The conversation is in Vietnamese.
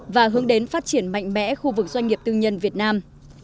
và hướng đến phát triển mạnh mẽ khu vực doanh nghiệp tư nhân việt nam